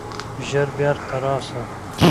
ژر بیرته راسه!